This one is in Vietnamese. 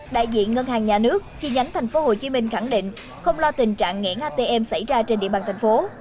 đại diện ngân hàng nhà nước chi nhánh tp hcm khẳng định không lo tình trạng nghẽn atm xảy ra trên địa bàn thành phố